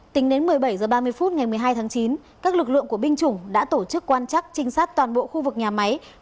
tính đến một mươi bảy h ba mươi phút ngày một mươi hai tháng chín các lực lượng của binh chủng đã tổ chức quan chắc trinh sát toàn bộ khu vực nhà máy